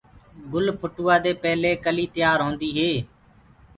گُل ڦُٽوآدي پيلي ڪلي تيآر هوندي هي۔